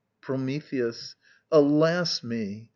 Prometheus. Alas me!